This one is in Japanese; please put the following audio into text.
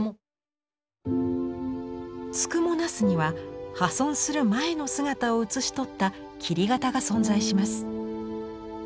「付藻茄子」には破損する前の姿を写し取った切型が存在します。